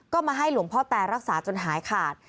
ก็มาให้หลวงพ่อแตรรักษาจนหายขาด